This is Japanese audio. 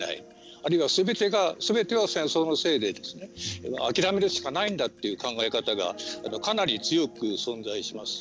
あるいは、すべては戦争のせいで諦めるしかないんだという考え方がかなり強く存在します。